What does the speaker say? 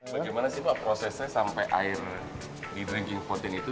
bagaimana sih pak prosesnya sampai air di dranking voting itu